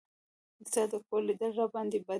ستا د کور لیدل راباندې بد دي.